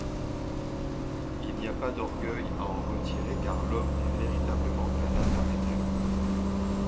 Il n'y pas d'orgueil à en retirer car l'homme n'est véritablement qu'un intermédiaire.